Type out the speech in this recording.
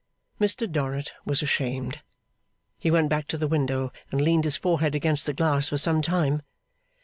Mr Dorrit was ashamed. He went back to the window, and leaned his forehead against the glass for some time.